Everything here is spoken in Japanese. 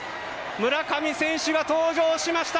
村上選手が登場しました！